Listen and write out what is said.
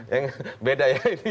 yang beda ya ini